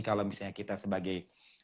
kalau misalnya kita sebagai